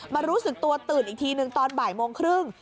รู้สึกตัวตื่นอีกทีหนึ่งตอนบ่ายโมงครึ่ง